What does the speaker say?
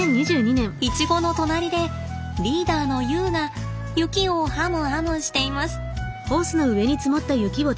イチゴの隣でリーダーのユウが雪をハムハムしています。